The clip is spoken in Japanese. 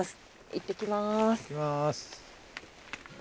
いってきます。